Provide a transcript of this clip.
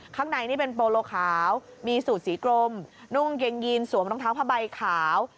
ข้างในนี่เป็นโปโลขาวมีสูตรสีกลมนุ่งเกงยีนสวมรองเท้าผ้าใบขาว